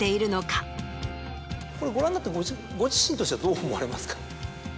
ご覧になってご自身としてはどう思われますか？